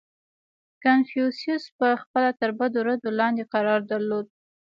• کنفوسیوس پهخپله تر بدو ردو لاندې قرار درلود.